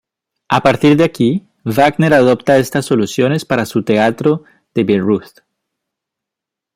A partir de aquí, Wagner adopta estas soluciones para su teatro de Bayreuth.